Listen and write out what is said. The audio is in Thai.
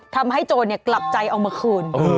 ทำให้โจรเนี่ยกลับใจเอามาคืน